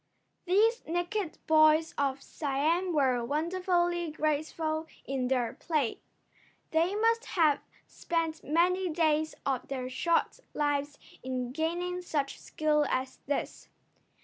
These naked boys of Siam were wonderfully graceful in their play. They must have spent many days of their short lives in gaining such skill as this.